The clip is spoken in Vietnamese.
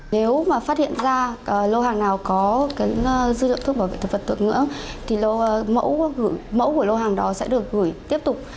nếu mà phát hiện ra lô hàng nào có dư liệu thức bảo vệ thực vật tựa ngỡ thì mẫu của lô hàng đó sẽ được gửi tiếp tục